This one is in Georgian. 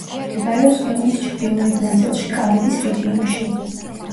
მდებარეობს ქვეყნის ჩრდილოეთ ნაწილში, კარიბის რეგიონში.